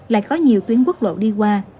lại có nhiều tuyến quốc lộ đi qua